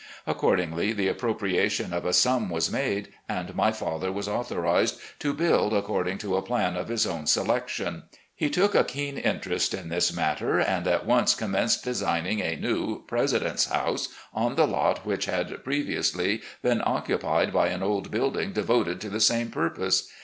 Accordingly, the appropriation of a sum was made, and my father ■was authorised to build according to a plan of his o vra selec tion. He took a keen interest in this matter, and at once commenced designing a new "President's House" on the lot which had pre^viously been occupied by an old building devoted to the same purpose.